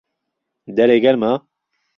دەرێ گەرمە؟